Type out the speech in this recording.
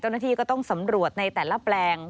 เจ้าหน้าที่ก็ต้องสำรวจในแต่ละแปลง